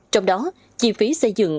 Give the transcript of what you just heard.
trong đó chi phí xây dựng